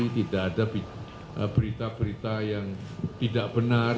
tidak ada berita berita yang tidak benar